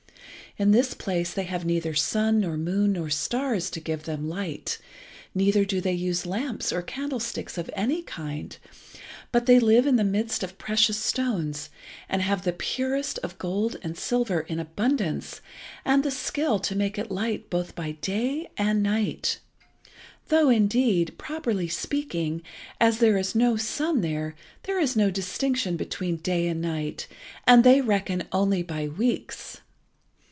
In this place they have neither sun nor moon nor stars to give them light, neither do they use lamps or candlesticks of any kind, but they live in the midst of precious stones, and have the purest of gold and silver in abundance, and the skill to make it light both by day and night, though indeed, properly speaking, as there is no sun there, there is no distinction between day and night, and they reckon only by weeks.